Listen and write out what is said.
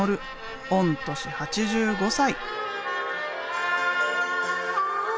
御年８５歳。